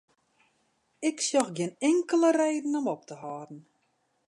Ik sjoch gjin inkelde reden om op te hâlden.